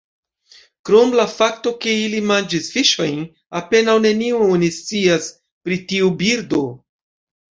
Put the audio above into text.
Krom la fakto ke ili manĝis fiŝojn, apenaŭ neniom oni scias pri tiu birdo.